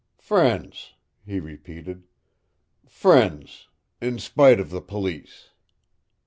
"Friends," he repeated. "Friends in spite of the police."